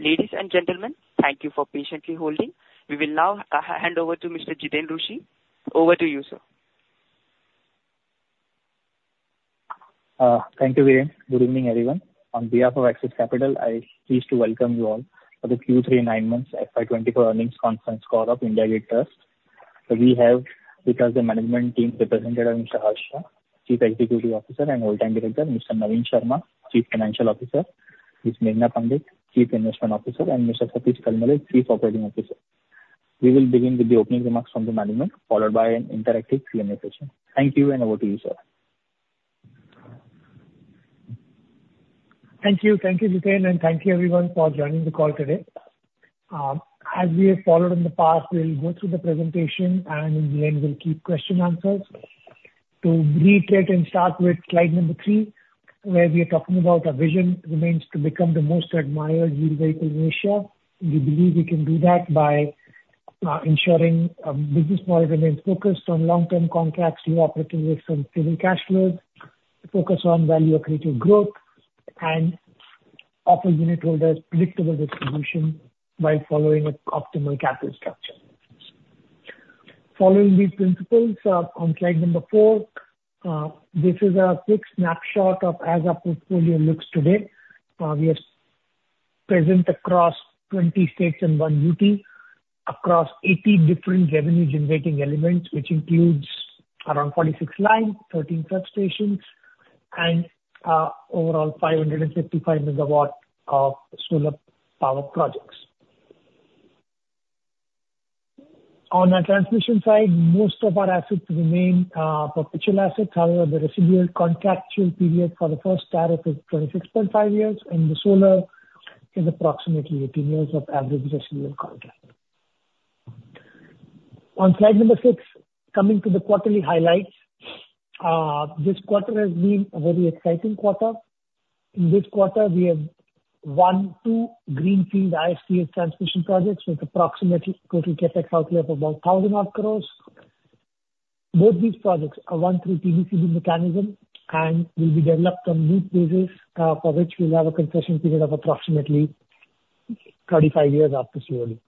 Ladies and gentlemen, thank you for patiently holding. We will now hand over to Mr. Jiten Rushi. Over to you, sir. Thank you, Jiten. Good evening, everyone. On behalf of Axis Capital, I'm pleased to welcome you all for the Q3 nine months FY 2024 earnings conference call of IndiGrid Infrastructure Trust. We have with us the management team, represented by Mr. Harsh Shah, Chief Executive Officer and Executive Director, Mr. Navin Sharma, Chief Financial Officer, Ms. Meghana Pandit, Chief Investment Officer, and Mr. Satish Talmale, Chief Operating Officer. We will begin with the opening remarks from the management, followed by an interactive Q&A session. Thank you, and over to you, sir. Thank you. Thank you, Jiten, and thank you everyone for joining the call today. As we have followed in the past, we'll go through the presentation, and in the end, we'll keep question answers. To reiterate and start with slide number 3, where we are talking about our vision remains to become the most admired vehicle in Asia. We believe we can do that by ensuring a business model remains focused on long-term contracts, new operating rates, and stable cash flows, focus on value-accretive growth, and offer unitholders predictable distribution while following an optimal capital structure. Following these principles, on slide number 4, this is a quick snapshot of as our portfolio looks today. We are present across 20 states and 1 UT, across 80 different revenue-generating elements, which includes around 46 lines, 13 substations, and overall, 555 megawatts of solar power projects. On the transmission side, most of our assets remain perpetual assets. However, the residual contractual period for the first tariff is 26.5 years, and the solar is approximately 18 years of average residual contract. On slide number 6, coming to the quarterly highlights. This quarter has been a very exciting quarter. In this quarter, we have won two greenfield ISTS transmission projects with approximately total CapEx outlay of about 1,000 crore. Both these projects are won through TBCB mechanism and will be developed on BOOT basis, for which we'll have a concession period of approximately 35 years after COD.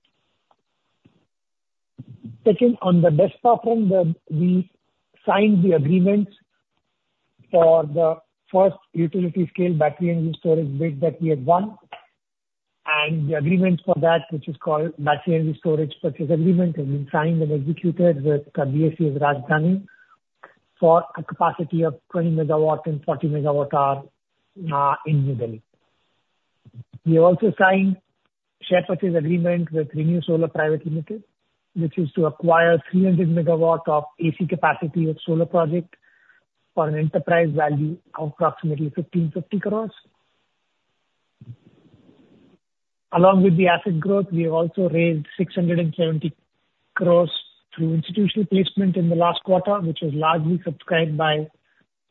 Second, on the BESS front, we signed the agreements for the first utility-scale battery energy storage bid that we had won, and the agreements for that, which is called battery energy storage purchase agreement, have been signed and executed with BSES Rajdhani for a capacity of 20 MW and 40 MWh in New Delhi. We have also signed share purchase agreement with ReNew Solar Power Private Limited, which is to acquire 300 MW of AC capacity of solar project for an enterprise value of approximately 1,550 crores. Along with the asset growth, we have also raised 670 crores through institutional placement in the last quarter, which was largely subscribed by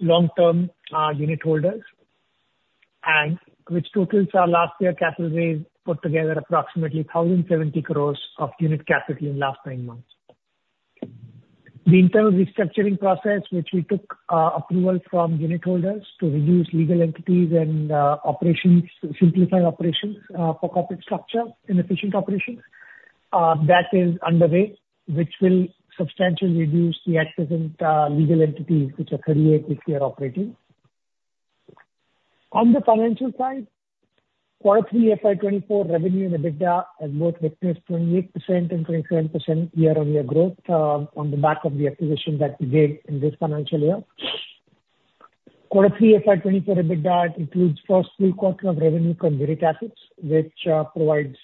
long-term unitholders, and which totals our last year capital raise, put together approximately 1,070 crores of unit capital in last nine months. The internal restructuring process, which we took approval from unitholders to reduce legal entities and operations, simplify operations for corporate structure and efficient operations. That is underway, which will substantially reduce the at present legal entities which are 38, which we are operating. On the financial side, quarterly FY 2024 revenue and EBITDA has both witnessed 28% and 27% year-on-year growth, on the back of the acquisition that we did in this financial year. Quarter 3 FY 2024 EBITDA includes first full quarter of revenue from grid assets, which provides.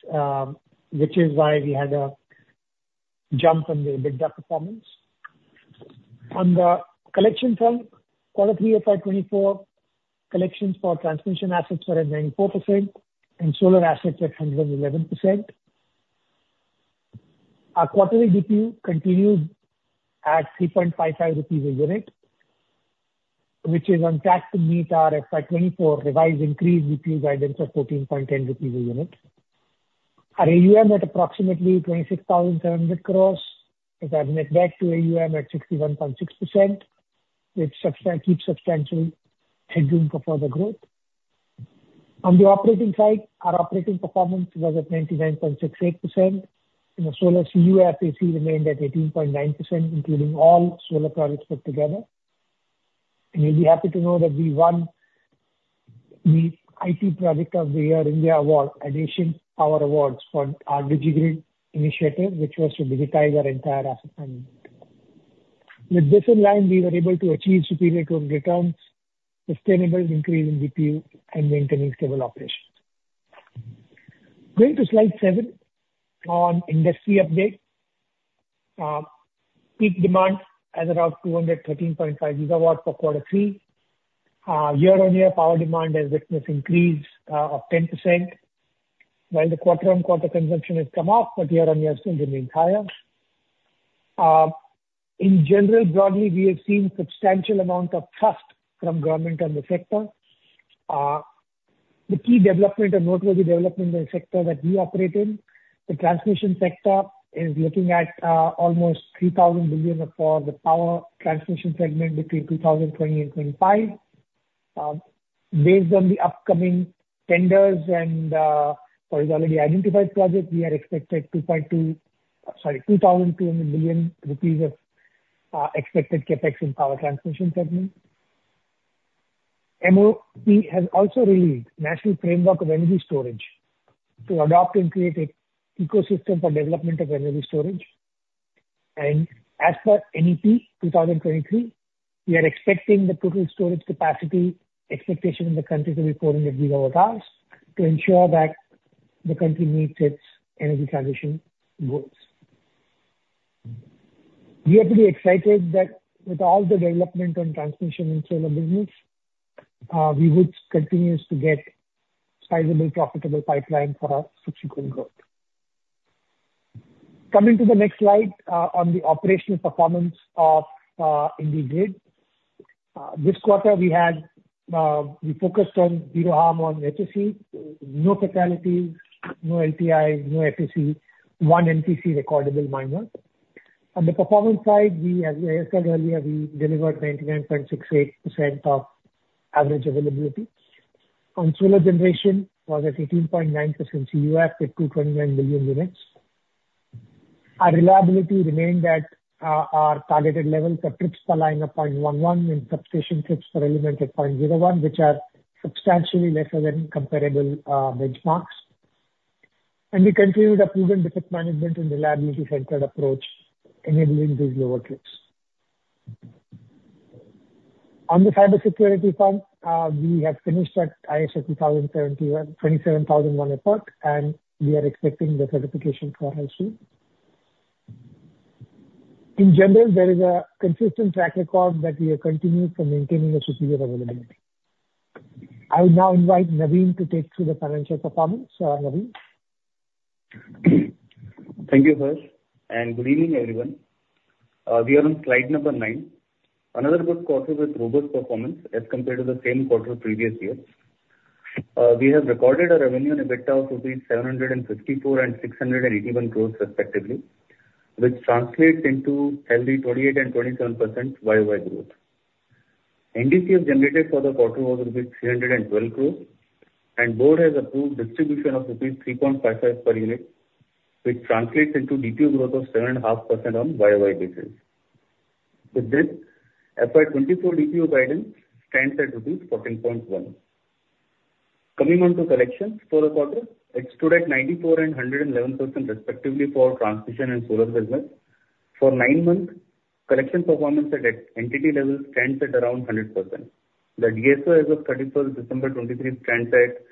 which is why we had a jump on the EBITDA performance. On the collection front, Quarter 3 FY 2024, collections for transmission assets were at 94% and solar assets at 111%. Our quarterly DPU continues at 3.55 rupees a unit, which is on track to meet our FY 2024 revised increased DPU guidance of 14.10 rupees a unit. Our AUM at approximately 26,700 crore, is debt to AUM at 61.6%, which keeps substantial headroom for further growth. On the operating side, our operating performance was at 99.68%, and the solar CUF remained at 18.9%, including all solar projects put together. And you'll be happy to know that we won the IT Project of the Year India Award, Asian Power Awards for our DigiGrid initiative, which was to digitize our entire asset management. With this in line, we were able to achieve superior returns, sustainable increase in DPU, and maintaining stable operations. Going to slide seven, on industry update. Peak demand at around 213.5 gigawatts for quarter three. Year-on-year, power demand has witnessed increase of 10%, while the quarter-on-quarter consumption has come off, but year-on-year still remains higher. In general, broadly, we have seen substantial amount of trust from government and the sector. The key development and noteworthy development in the sector that we operate in, the transmission sector is looking at almost 3,000 billion for the power transmission segment between 2020 and 2025. Based on the upcoming tenders and what is already identified projects, we are expected 2.2, sorry, 2,200 billion rupees of expected CapEx in power transmission segment. MoP has also released National Framework of Energy Storage to adopt and create a ecosystem for development of energy storage. As per NEP 2023, we are expecting the total storage capacity expectation in the country to be 400 gigawatts, to ensure that the country meets its energy transition goals. We are pretty excited that with all the development on transmission and solar business, we would continues to get sizable, profitable pipeline for our subsequent growth. Coming to the next slide, on the operational performance of IndiGrid. This quarter, we had we focused on zero harm on HSE. No fatalities, no LTI, no HSE, one MTC recordable minor. On the performance side, we, as I said earlier, we delivered 99.68% of average availability. On solar generation, was at 18.9% CUF at 229 million units. Our reliability remained at our targeted level for trips per line of 0.11, and substation trips per element at 0.01, which are substantially lesser than comparable benchmarks. We continued approving defect management and reliability-centered approach, enabling these lower trips. On the cybersecurity front, we have finished our ISO 27001 effort, and we are expecting the certification for IS. In general, there is a consistent track record that we have continued for maintaining a superior availability. I would now invite Navin to take through the financial performance. So, Navin? Thank you, Harsh, and good evening, everyone. We are on slide number 9. Another good quarter with robust performance as compared to the same quarter previous year. We have recorded a revenue and EBITDA of 754 crore and 681 crore respectively, which translates into healthy 28% and 27% YoY growth. NDP have generated for the quarter was rupees 312 crore, and board has approved distribution of rupees 3.55 per unit, which translates into DPU growth of 7.5% on YoY basis. With this, FY 2024 DPU guidance stands at rupees 14.1. Coming on to collections for the quarter. It stood at 94% and 111%, respectively, for transmission and solar business. For 9 months, collection performance at an entity level stands at around 100%. The DSO as of 31 December 2023 stands at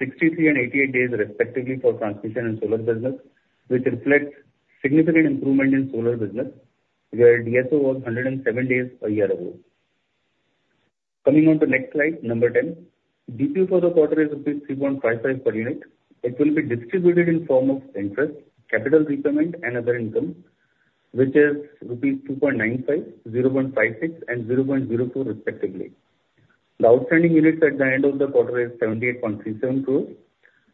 63 and 88 days, respectively, for transmission and solar business, which reflects significant improvement in solar business, where DSO was 107 days a year ago. Coming on to next slide, number 10. DPU for the quarter is 3.55 per unit. It will be distributed in form of interest, capital repayment, and other income, which is rupees 2.95, 0.56, and 0.04, respectively. The outstanding units at the end of the quarter is 78.37 crores,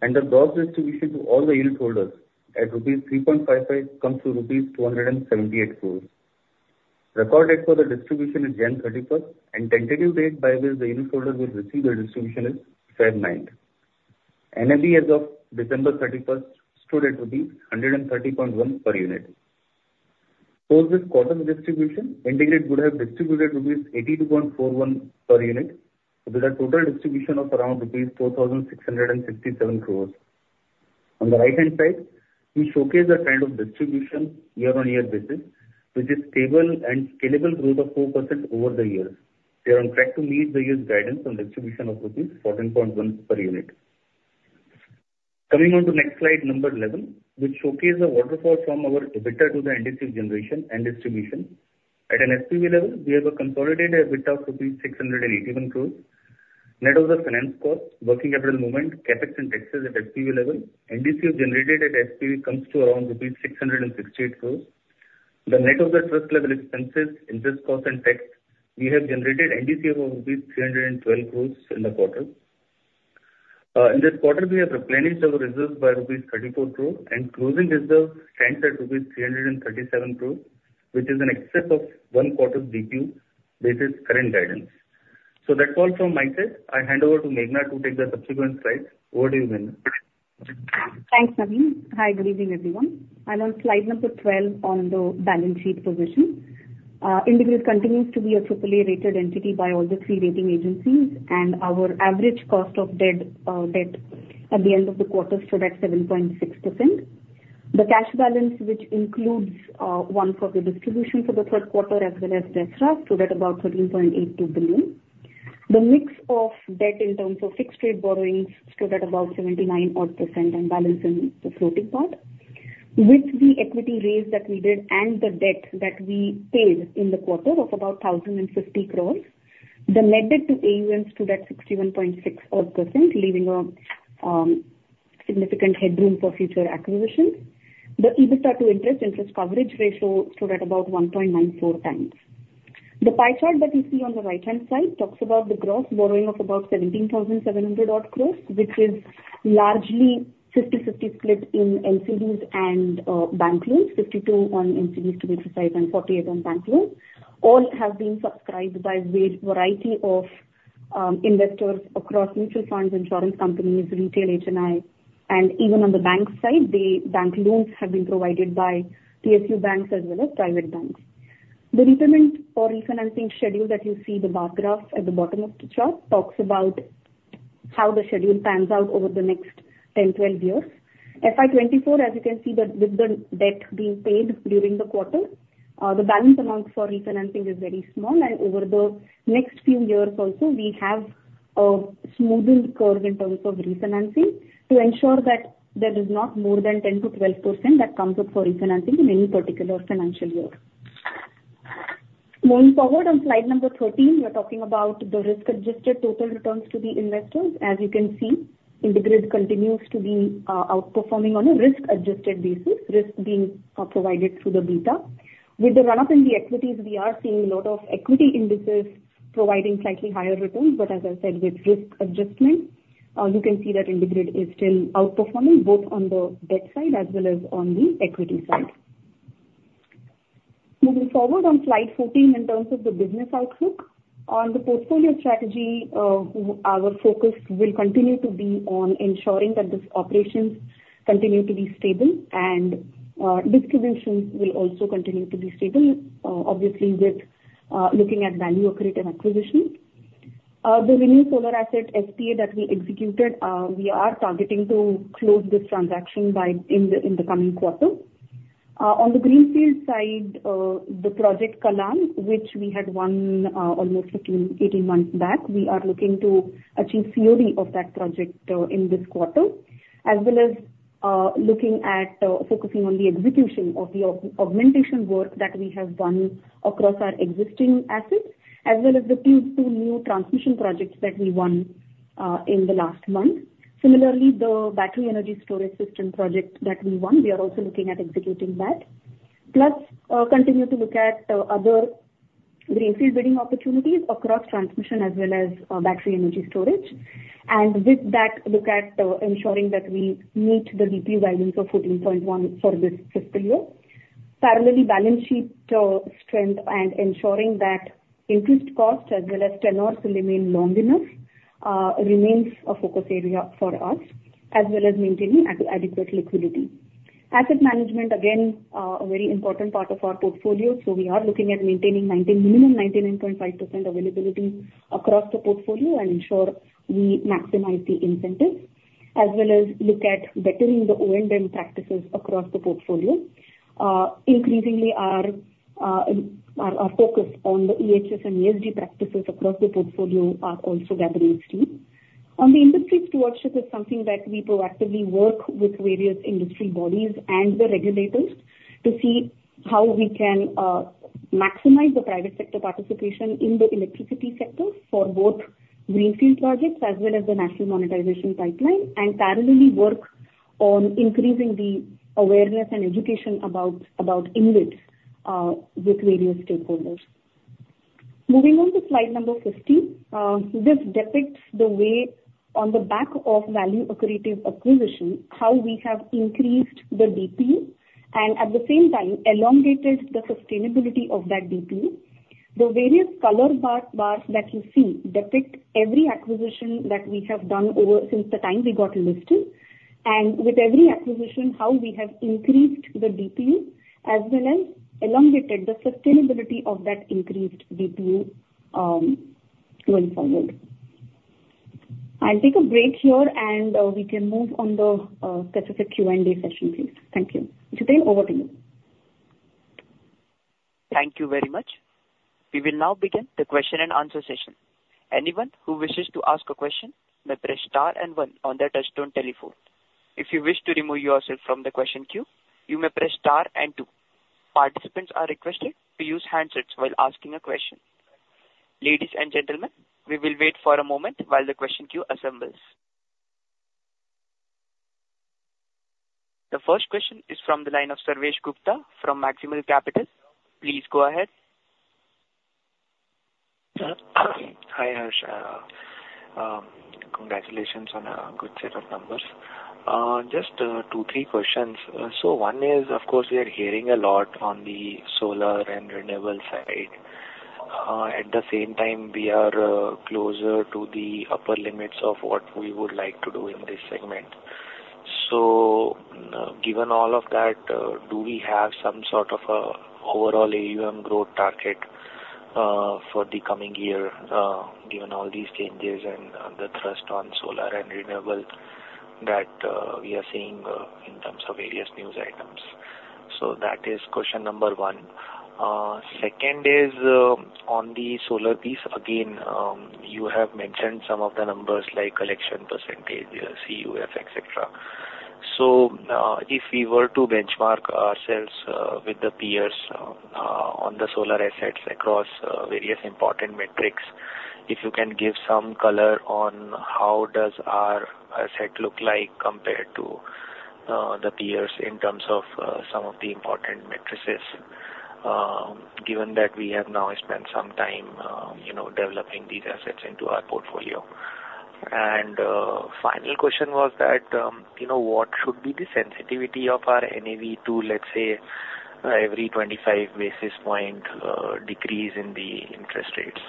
and the gross distribution to all the unit holders at rupees 3.55 comes to rupees 278 crore. Record date for the distribution is January 31, and tentative date by which the unit holders will receive their distribution is February 9. NAV as of December 31, stood at 130.1 per unit. For this quarter's distribution, IndiGrid would have distributed rupees 82.41 per unit, with a total distribution of around rupees 4,667 crores. On the right-hand side, we showcase the trend of distribution year-on-year basis, which is stable and scalable growth of 4% over the years. We are on track to meet the year's guidance on distribution of rupees 14.1 per unit. Coming on to next slide, number 11, which showcase the waterfall from our EBITDA to the NDP generation and distribution. At an SPV level, we have a consolidated EBITDA of rupees 681 crores. Net of the finance cost, working capital movement, CapEx and taxes at SPV level, NDP generated at SPV comes to around rupees 668 crores. The net of the trust level expenses, interest cost and tax, we have generated NDP of rupees 312 crore in the quarter. In this quarter, we have replenished our reserves by rupees 34 crore, and closing reserves stands at rupees 337 crore, which is an excess of 1 quarter DPU, based current guidance. So that's all from my side. I'll hand over to Meghana to take the subsequent slides. Over to you, Meghana. Thanks, Navin. Hi, good evening, everyone. I'm on slide 12 on the balance sheet position. IndiGrid continues to be a triple A-rated entity by all the three rating agencies, and our average cost of debt, debt at the end of the quarter stood at 7.6%. The cash balance, which includes, one for the distribution for the third quarter, as well as the trust, stood at about 13.82 billion. The mix of debt in terms of fixed rate borrowings stood at about 79 odd percent and balance in the floating part. With the equity raise that we did and the debt that we paid in the quarter of about 1,050 crores, the net debt to AUM stood at 61.6 odd percent, leaving a significant headroom for future acquisitions. The EBITDA to interest, interest coverage ratio stood at about 1.94 times. The pie chart that you see on the right-hand side talks about the gross borrowing of about 17,700 crore, which is largely 50/50 split in NCDs and bank loans, 52 on NCDs to be precise, and 48 on bank loans. All have been subscribed by wide variety of- Investors across mutual funds, insurance companies, retail HNI, and even on the bank side, the bank loans have been provided by PSU banks as well as private banks. The repayment or refinancing schedule that you see, the bar graph at the bottom of the chart, talks about how the schedule pans out over the next 10, 12 years. FY 2024, as you can see, with the debt being paid during the quarter, the balance amount for refinancing is very small. And over the next few years also, we have a smoothed curve in terms of refinancing to ensure that there is not more than 10%-12% that comes up for refinancing in any particular financial year. Moving forward, on slide number 13, we are talking about the risk-adjusted total returns to the investors. As you can see, IndiGrid continues to be outperforming on a risk-adjusted basis, risk being provided through the beta. With the run-up in the equities, we are seeing a lot of equity indices providing slightly higher returns. But as I said, with risk adjustment, you can see that IndiGrid is still outperforming both on the debt side as well as on the equity side. Moving forward on slide 14, in terms of the business outlook. On the portfolio strategy, our focus will continue to be on ensuring that the operations continue to be stable and distributions will also continue to be stable, obviously with looking at value accretive acquisition. The ReNew solar asset SPA that we executed, we are targeting to close this transaction by in the coming quarter. On the greenfield side, the Project Kallam, which we had won, almost 15, 18 months back, we are looking to achieve COD of that project, in this quarter, as well as looking at focusing on the execution of the augmentation work that we have done across our existing assets, as well as the two new transmission projects that we won, in the last month. Similarly, the battery energy storage system project that we won, we are also looking at executing that. Plus, continue to look at other greenfield bidding opportunities across transmission as well as battery energy storage. And with that, look at ensuring that we meet the DPU guidance of 14.1 for this fiscal year. Parallelly, balance sheet strength and ensuring that increased costs as well as tenors will remain long enough remains a focus area for us, as well as maintaining adequate liquidity. Asset management, again, a very important part of our portfolio, so we are looking at maintaining 90, minimum 99.5% availability across the portfolio and ensure we maximize the incentives, as well as look at bettering the O&M practices across the portfolio. Increasingly, our focus on the EHS and ESG practices across the portfolio is also gathering steam. On the industry stewardship is something that we proactively work with various industry bodies and the regulators to see how we can maximize the private sector participation in the electricity sector for both greenfield projects as well as the national monetization pipeline, and parallelly work on increasing the awareness and education about IndiGrid with various stakeholders. Moving on to slide number 15. This depicts the way, on the back of value accretive acquisition, how we have increased the DPU and at the same time elongated the sustainability of that DPU. The various color bar, bars that you see depict every acquisition that we have done over since the time we got listed, and with every acquisition, how we have increased the DPU as well as elongated the sustainability of that increased DPU, going forward. I'll take a break here and we can move on to the specific Q&A session, please. Thank you. Jiten, over to you. Thank you very much. We will now begin the question and answer session. Anyone who wishes to ask a question may press star and one on their touchtone telephone. If you wish to remove yourself from the question queue, you may press star and two. Participants are requested to use handsets while asking a question. Ladies and gentlemen, we will wait for a moment while the question queue assembles. The first question is from the line of Sarvesh Gupta from Maximal Capital. Please go ahead. Hi, Harsh. Congratulations on a good set of numbers. Just 2, 3 questions. So one is, of course, we are hearing a lot on the solar and renewable side. At the same time, we are closer to the upper limits of what we would like to do in this segment. So, given all of that, do we have some sort of a overall AUM growth target for the coming year, given all these changes and the thrust on solar and renewable that we are seeing in terms of various news items? So that is question number 1. Second is on the solar piece. Again, you have mentioned some of the numbers, like collection percentage, CUF, et cetera. So, if we were to benchmark ourselves with the peers on the solar assets across various important metrics, if you can give some color on how does our asset look like compared to the peers in terms of some of the important metrics, given that we have now spent some time, you know, developing these assets into our portfolio? And, final question was that, you know, what should be the sensitivity of our NAV to, let's say, every 25 basis point decrease in the interest rates?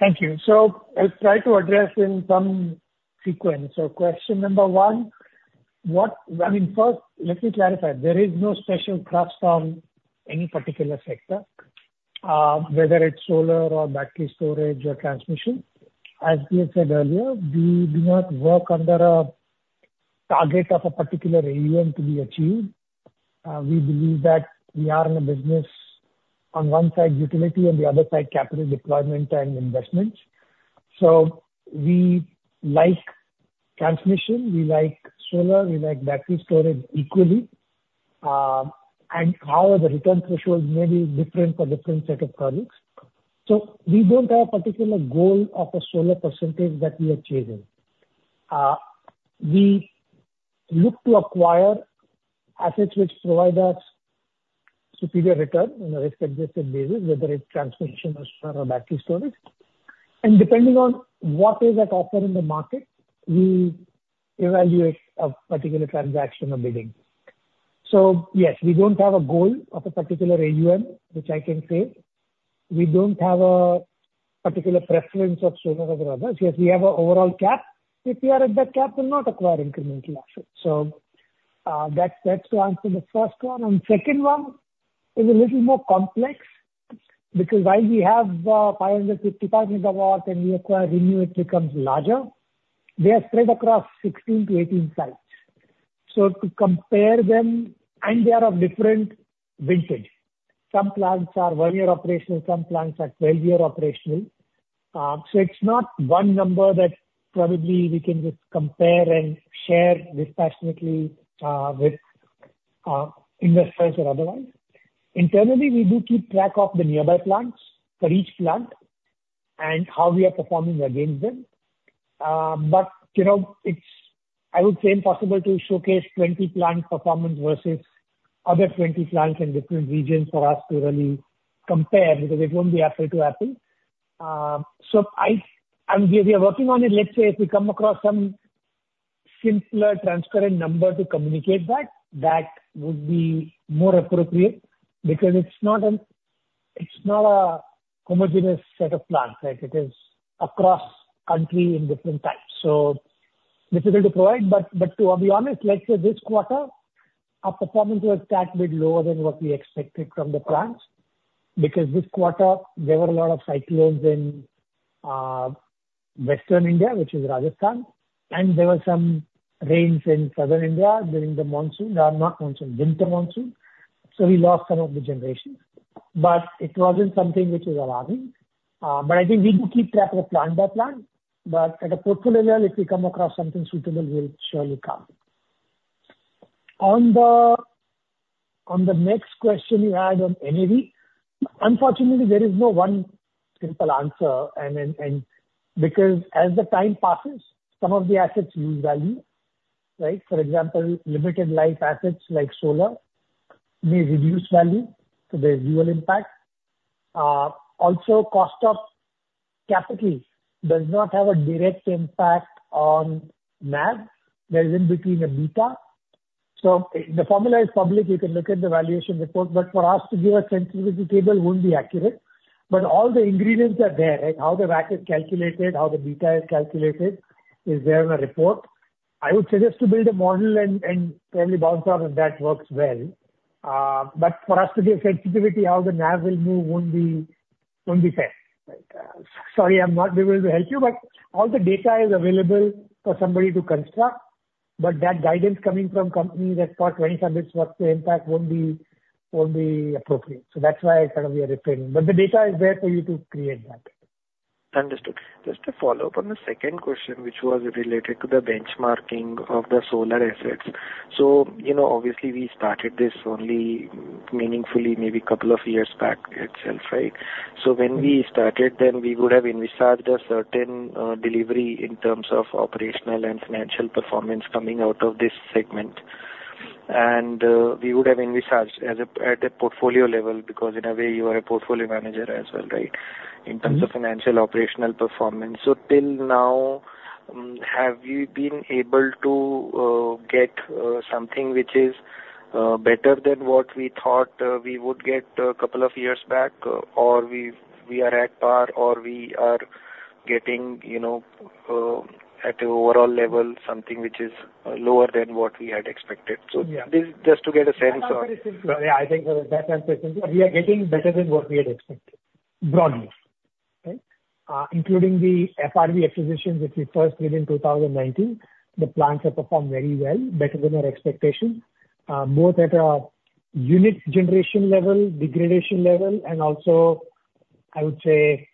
Thank you. So I'll try to address in some sequence. So question number one, I mean, first, let me clarify. There is no special crux on any particular sector, whether it's solar or battery storage or transmission. As we have said earlier, we do not work under a target of a particular AUM to be achieved. We believe that we are in a business, on one side, utility, on the other side, capital deployment and investments. So we like transmission, we like solar, we like battery storage equally. And however, the return thresholds may be different for different set of products. So we don't have a particular goal of a solar percentage that we are achieving. We look to acquire assets which provide us superior return on a risk-adjusted basis, whether it's transmission or solar or battery storage. Depending on what is at offer in the market, we evaluate a particular transaction or bidding. So yes, we don't have a goal of a particular AUM, which I can say. We don't have a particular preference of solar over others. Yes, we have an overall cap. If we are at that cap, we'll not acquire incremental assets. So, that's the answer to the first one. And second one is a little more complex, because while we have 550,000 megawatts, and we acquire ReNew, it becomes larger. They are spread across 16-18 sites. So to compare them... And they are of different vintage. Some plants are 1-year operational, some plants are 12-year operational. So it's not one number that probably we can just compare and share dispassionately with investors or otherwise. Internally, we do keep track of the nearby plants for each plant and how we are performing against them. But, you know, it's, I would say, impossible to showcase 20 plant performance versus other 20 plants in different regions for us to really compare, because it won't be apples to apples. And we, we are working on it. Let's say, if we come across some simpler, transparent number to communicate that, that would be more appropriate, because it's not an, it's not a homogeneous set of plants, right? It is across country in different types. So difficult to provide, but to be honest, let's say, this quarter, our performance was a tad bit lower than what we expected from the plants, because this quarter there were a lot of cyclones in western India, which is Rajasthan, and there were some rains in southern India during the monsoon, not monsoon, winter monsoon, so we lost some of the generation. But it wasn't something which is alarming. But I think we do keep track of the plant by plant. But at a portfolio level, if we come across something suitable, we'll surely come. On the next question you had on NAV, unfortunately, there is no one simple answer, and because as the time passes, some of the assets lose value, right? For example, limited life assets like solar may reduce value, so there's dual impact. Also, cost of capital does not have a direct impact on NAV. There is in between a beta. So the formula is public. You can look at the valuation report, but for us to give a sensitivity table won't be accurate. But all the ingredients are there, right? How the WAC is calculated, how the beta is calculated, is there in the report. I would suggest to build a model and, and maybe bounce off, and that works well. But for us to give sensitivity, how the NAV will move won't be, won't be fair, right? Sorry, I'm not able to help you, but all the data is available for somebody to construct. But that guidance coming from company that got 27 months to impact won't be, won't be appropriate. So that's why kind of we are refraining. But the data is there for you to create that. Understood. Just to follow up on the second question, which was related to the benchmarking of the solar assets. So, you know, obviously, we started this only meaningfully, maybe couple of years back itself, right? So when we started, then we would have envisaged a certain delivery in terms of operational and financial performance coming out of this segment. And we would have envisaged as a, at a portfolio level, because in a way, you are a portfolio manager as well, right? In terms of financial, operational performance. So till now, have you been able to get something which is better than what we thought we would get a couple of years back, or we've, we are at par, or we are getting, you know, at a overall level, something which is lower than what we had expected? Yeah. So this, just to get a sense of. Yeah, I think that answers it. We are getting better than what we had expected, broadly. Right? Including the FRV acquisitions, which we first did in 2019. The plants have performed very well, better than our expectations, both at a unit generation level, degradation level, and also, I would say,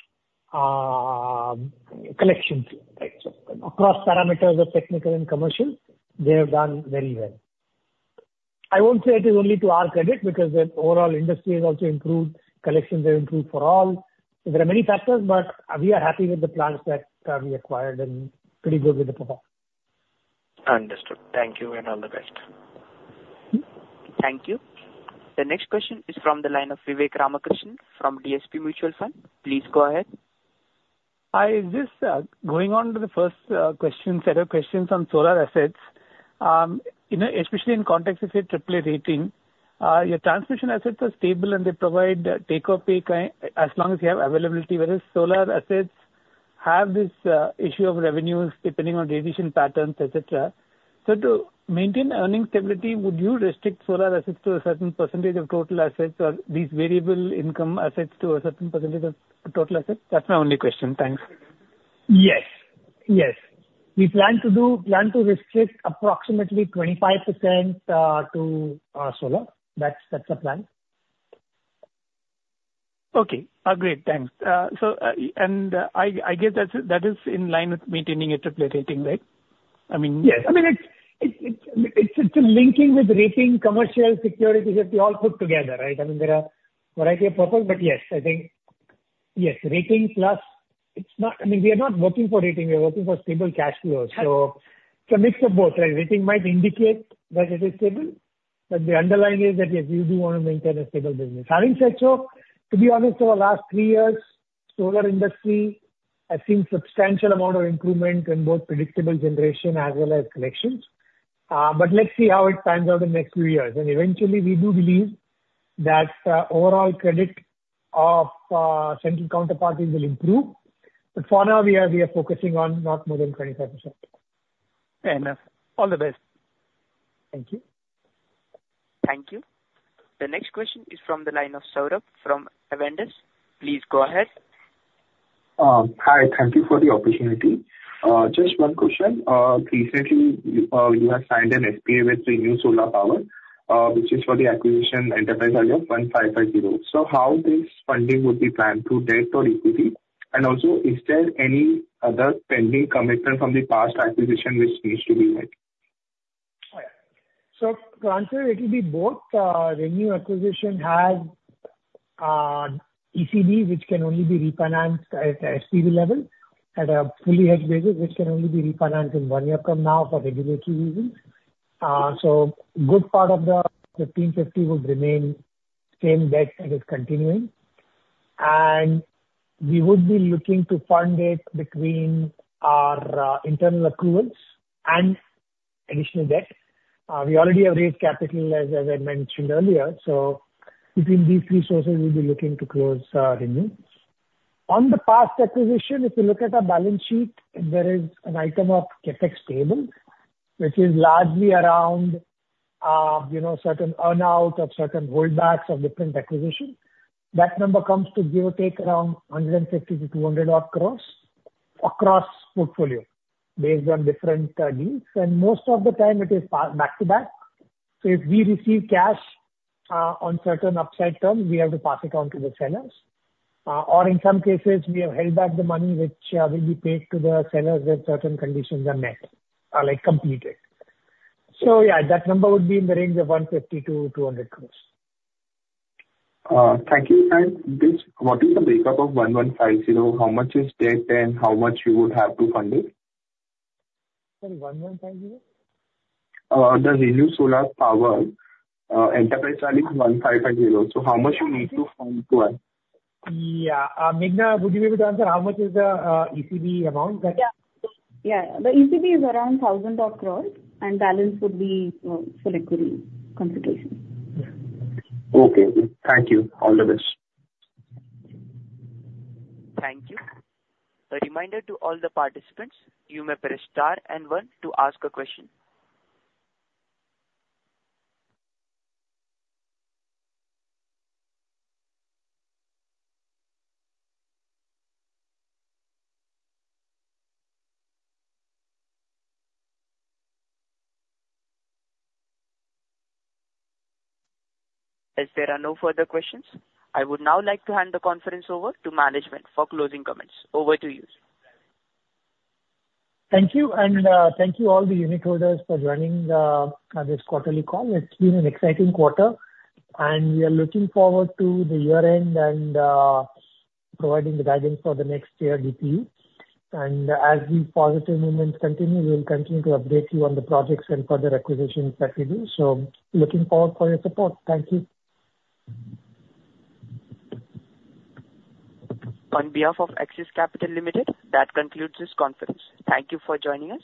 collection rate. So across parameters of technical and commercial, they have done very well. I won't say it is only to our credit, because the overall industry has also improved, collections have improved for all. There are many factors, but we are happy with the plants that we acquired and pretty good with the performance. Understood. Thank you, and all the best. Thank you. The next question is from the line of Vivek Ramakrishnan from DSP Mutual Fund. Please go ahead. Hi. Just, going on to the first, question, set of questions on solar assets. You know, especially in context of your triple A rating, your transmission assets are stable, and they provide take or pay as long as you have availability, whereas solar assets have this, issue of revenues depending on radiation patterns, et cetera. So to maintain earning stability, would you restrict solar assets to a certain percentage of total assets or these variable income assets to a certain percentage of total assets? That's my only question. Thanks. Yes. Yes. We plan to do, plan to restrict approximately 25%, to solar. That's, that's the plan. Okay, great. Thanks. So, I guess that's, that is in line with maintaining a triple-A rating, right? I mean- Yes. I mean, it's a linking with rating, commercial security that we all put together, right? I mean, there are variety of purpose, but yes, I think... Yes, rating plus it's not, I mean, we are not working for rating, we are working for stable cash flows. Right. So it's a mix of both, right? Rating might indicate that it is stable, but the underlying is that, yes, we do want to maintain a stable business. Having said so, to be honest, over the last three years, solar industry has seen substantial amount of improvement in both predictable generation as well as collections. But let's see how it pans out in the next few years. And eventually, we do believe that overall credit of central counterparties will improve. But for now, we are focusing on not more than 25%. Fair enough. All the best. Thank you. Thank you. The next question is from the line of Saurabh from Avendus. Please go ahead. Hi, thank you for the opportunity. Just one question. Recently, you have signed an SPA with ReNew Solar Power, which is for the acquisition enterprise value of 1,550. So how this funding would be planned, through debt or equity? And also, is there any other pending commitment from the past acquisition which needs to be made? So, to answer, it will be both. ReNew acquisition has ECB, which can only be refinanced at SPV level, at a fully hedged basis, which can only be refinanced in one year from now for regulatory reasons. So good part of the 1,550 will remain same debt and is continuing. And we would be looking to fund it between our internal accruals and additional debt. We already have raised capital, as I mentioned earlier, so between these three sources, we'll be looking to close ReNew. On the past acquisition, if you look at our balance sheet, there is an item of CapEx payable, which is largely around, you know, certain earn-out or certain holdbacks of different acquisitions. That number comes to give or take around 150 to 200-odd crores across portfolio, based on different deals, and most of the time it is passed back-to-back. So if we receive cash on certain upside terms, we have to pass it on to the sellers. Or in some cases, we have held back the money, which will be paid to the sellers when certain conditions are met, like, completed. So yeah, that number would be in the range of 150-200 crores. Thank you. This, what is the breakup of 1,150? How much is debt, and how much you would have to fund it? Sorry, 1,150? The ReNew Solar Power, enterprise value is 1,550. So how much you need to fund to it? Yeah. Meghana, would you be able to answer how much is the ECB amount that- Yeah. Yeah, the ECB is around 1,000-odd crores, and balance would be for liquidity consideration. Okay. Thank you. All the best. Thank you. A reminder to all the participants, you may press star and one to ask a question. As there are no further questions, I would now like to hand the conference over to management for closing comments. Over to you. Thank you, and thank you all the unitholders for joining this quarterly call. It's been an exciting quarter, and we are looking forward to the year-end and providing the guidance for the next year DPU. And as the positive moments continue, we'll continue to update you on the projects and further acquisitions that we do. So looking forward for your support. Thank you. On behalf of Axis Capital Limited, that concludes this conference. Thank you for joining us.